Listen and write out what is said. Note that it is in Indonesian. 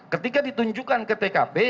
ketika ditunjukkan ke tkp